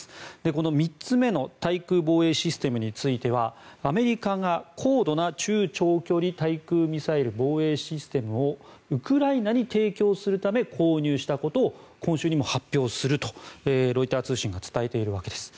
この３つ目の対空防衛システムについてはアメリカが高度な中・長距離地対空ミサイル防衛システムをウクライナに提供するため購入したことを今週にも発表するとロイター通信が伝えているわけです。